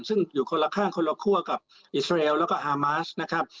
ซึ่งอยู่คนละข้างคนละคั่วกับอิสราเอลแล้วก็ฮามาสนะครับ